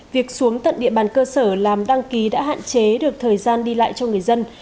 việc xuống tận địa bàn cơ sở làm đăng ký đã hạn chế được thời gian đi lại cho người dân